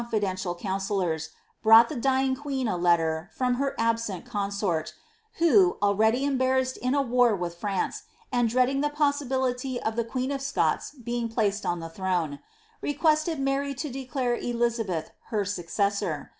9d eoofidential coansellors, brought the dying queen a letter from her ab j«iit consort, who, already embarrassed in a war with France, and dread ii^ the possibility of the queen of Scots being placed on the throne, ppqoested Mary to declare Elizabeth her successor.